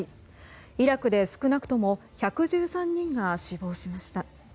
イラクで少なくとも１１３人が死亡しました。